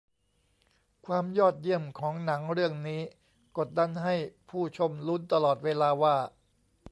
ความยอดเยี่ยมของหนังเรื่องนี้กดดันให้ผู้ชมลุ้นตลอดเวลาว่า